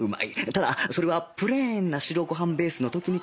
ただそれはプレーンな白ご飯ベースの時に限られるんだ